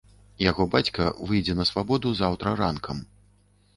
Яго бацька выйдзе на свабоду заўтра ранкам.